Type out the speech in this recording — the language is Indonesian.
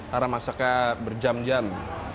karena masaknya berjam jam